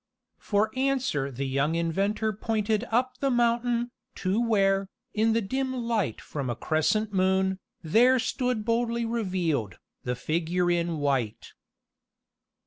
For answer the young inventor pointed up the mountain, to where, in the dim light from a crescent moon, there stood boldly revealed, the figure in white.